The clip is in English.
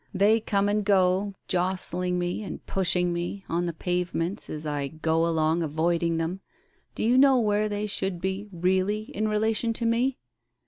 They come and go, jostling me, and pushing me, on the pavements as I go along, avoiding them. Do you know where they should be, really, in relation to me